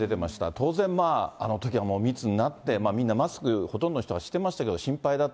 当然まあ、あのときは密になって、みんなマスクほとんどしてましたけれども、心配だ。